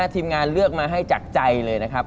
ทีมงานเลือกมาให้จากใจเลยนะครับ